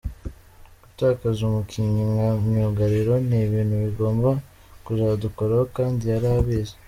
Gutakaza umukinnyi nka myugariro ni ibintu bigomba kuzadukoraho kandi yari abizi.